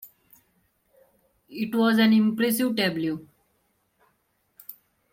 It was an impressive tableau.